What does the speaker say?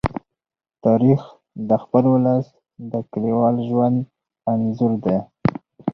تاریخ د خپل ولس د کلیوال ژوند انځور دی.